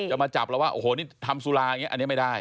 มาจับแล้วว่าโอ้โหนี่ทำสุราอย่างนี้อันนี้ไม่ได้